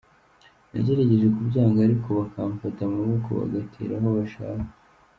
Nagerageje kubyanga ariko bakamfata amaboko bagatera aho bashaka.